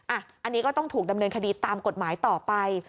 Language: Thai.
อันนี้ก็ต้องถูกดำเนินคดีตามกฎหมายต่อไป